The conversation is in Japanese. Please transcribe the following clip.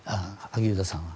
萩生田さんは。